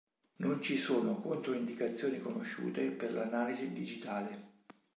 Non ci sono controindicazioni conosciute per l'analisi digitale.